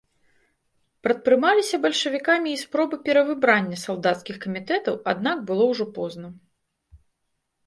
Прадпрымаліся бальшавікамі і спробы перавыбрання салдацкіх камітэтаў, аднак было ўжо позна.